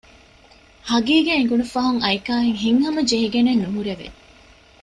ހަޤީޤަތް އެނގުނު ފަހުން އައިކާއަށް ހިތްހަމަޖެހިގެނެއް ނުހުރެވެ